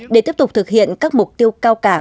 để tiếp tục thực hiện các mục tiêu cao cả